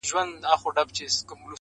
په خبرو کي یې دومره ږغ اوچت کړ!!